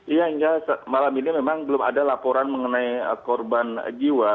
iya hingga malam ini memang belum ada laporan mengenai korban jiwa